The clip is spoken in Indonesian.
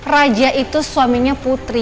raja itu suaminya putri